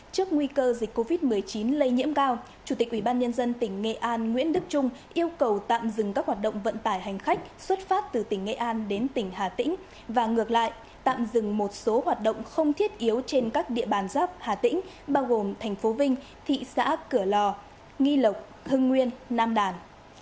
trước nguy cơ dịch covid một mươi chín lây nhiễm cao chủ tịch ubnd tỉnh nghệ an nguyễn đức trung yêu cầu tạm dừng các hoạt động vận tải hành khách xuất phát từ tỉnh nghệ an đến tỉnh hà tĩnh và ngược lại tạm dừng một số hoạt động không thiết yếu trên các địa bàn giáp hà tĩnh bao gồm thành phố vinh thị xã cửa lò nghi lộc hưng nguyên nam đàn